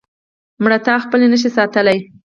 مړتا خپل نشي ساتلی.